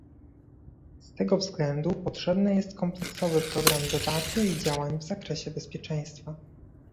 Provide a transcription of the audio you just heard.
Z tego względu potrzebny jest kompleksowy program debaty i działań w zakresie bezpieczeństwa